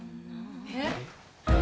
えっ？